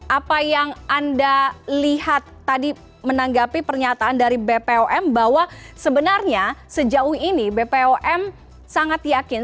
apa yang anda lihat tadi menanggapi pernyataan dari bpom bahwa sebenarnya sejauh ini bpom sangat yakin